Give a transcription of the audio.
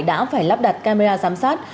đã phải lắp đặt camera giám sát